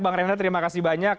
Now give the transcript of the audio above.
bang renda terima kasih banyak